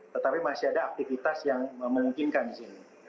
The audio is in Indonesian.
tetapi masih ada aktivitas yang memungkinkan di sini